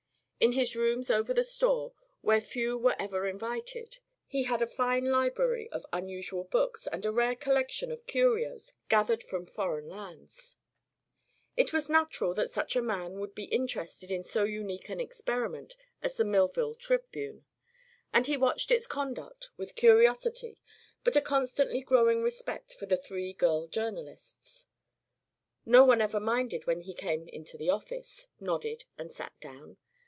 In his rooms over the store, where few were ever invited, he had a fine library of unusual books and a rare collection of curios gathered from foreign lands. It was natural that such a man would be interested in so unique an experiment as the Millville Tribune, and he watched its conduct with curiosity but a constantly growing respect for the three girl journalists. No one ever minded when he came into the office, nodded and sat down.